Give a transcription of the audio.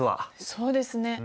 そうですね。